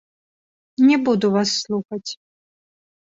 Не буду вас слухаць.